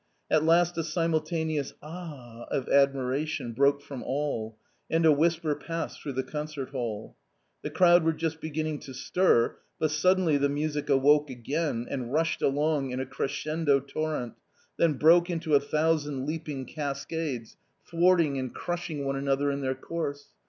At last a simultaneous "Ah !" of admiration broke from all, and a whisper passed through the concert hall. The crowd were just beginning to stir, but suddenly the music awoke again, and rushed along in a crescendo torrent, then broke into a thousand leaping cascades, \ 224 A COMMON STORY thwarting and crushing one another in their course.